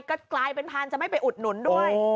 ก็กลายเป็นพานจะไม่ไปอุดหนุนด้วย